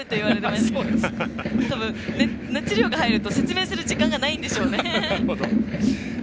熱量が入ると説明する時間がないんでしょうね。